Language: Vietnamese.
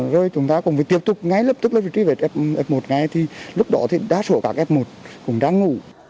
rồi chúng ta cũng phải tiếp tục ngay lập tức là truy vết f một ngay thì lúc đó thì đa số cả f một cũng đang ngủ